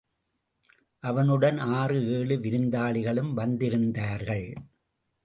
அவனுடன் ஆறு ஏழு விருந்தாளிகளும் வந்திருந்தார்கள்.